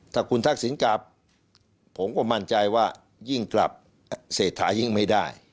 ถ้าคุณทักษิณกลับผมก็มั่นใจว่ายิ่งกลับเศรษฐายิ่งไม่ได้